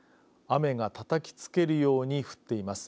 雨が、たたきつけるように降っています。